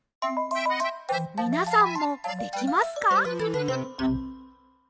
みなさんもできますか？